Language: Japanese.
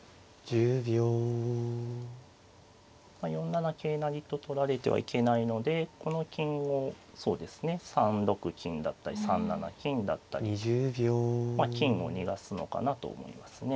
４七桂成と取られてはいけないのでこの金を３六金だったり３七金だったりまあ金を逃がすのかなと思いますね。